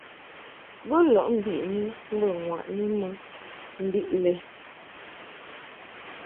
Bo lɔʼ mbiʼni mbə ŋwaʼni mɨ mbiʼ lɛ.